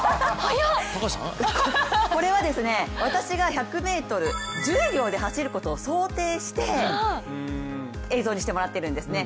これは私が１００ｍ１０秒で走ることを想定して映像にしてもらってるんですね。